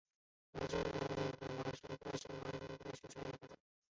深山毛茛为毛茛科毛茛属下的一个种。